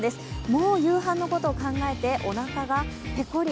もう夕飯のことを考えて、おなかがペコリ